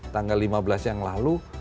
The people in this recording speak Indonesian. tanggal lima belas yang lalu